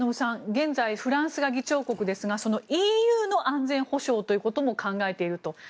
現在、フランスが議長国ですがＥＵの安全保障ということも考えていると。